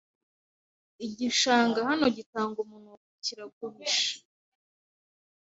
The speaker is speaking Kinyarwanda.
Igishanga hano gitanga umunuko kiraguhishe